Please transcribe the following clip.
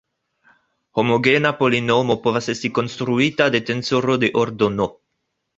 Homogena polinomo povas esti konstruita de tensoro de ordo "n".